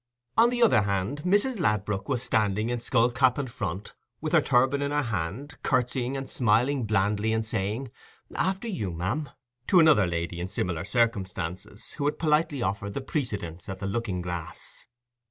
On the other hand, Mrs. Ladbrook was standing in skull cap and front, with her turban in her hand, curtsying and smiling blandly and saying, "After you, ma'am," to another lady in similar circumstances, who had politely offered the precedence at the looking glass.